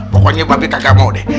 pokoknya mbak beng gak mau deh